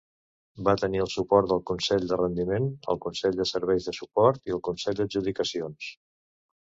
Va tenir el suport del consell de rendiment, el consell de serveis de suport i el consell d'adjudicacions.